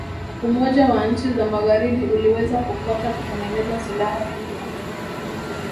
Umoja wa nchi za Magharibi uliweza kufuata kutengeneza silaha hizo